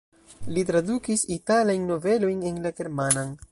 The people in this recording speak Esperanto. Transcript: Li tradukis italajn novelojn en la germanan.